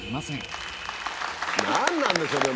何なんでしょうね？